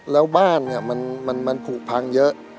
แล้วบ้านมันผูกพังเยอะ